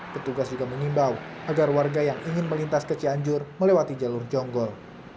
petugas juga mengimbau agar warga yang ingin melintas ke cianjur melewati jalur jonggol